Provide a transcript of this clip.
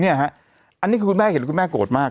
เนี่ยอันนี้คุณแม่เห็นคุณแม่โกรธมาก